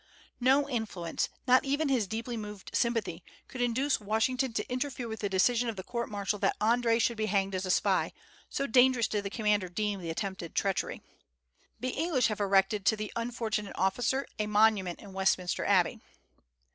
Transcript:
No influence not even his deeply moved sympathy could induce Washington to interfere with the decision of the court martial that André should be hanged as a spy, so dangerous did the commander deem the attempted treachery. The English have erected to the unfortunate officer a monument in Westminster Abbey.